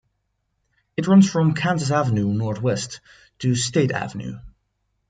It runs from Kansas Avenue northwest to State Avenue.